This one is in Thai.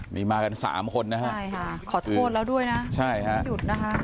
นี่มากันสามคนนะฮะใช่ค่ะขอโทษแล้วด้วยนะใช่ค่ะไม่หยุดนะคะ